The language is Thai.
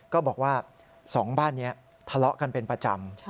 บอกว่า๒บ้านนี้ทะเลาะกันเป็นประจำ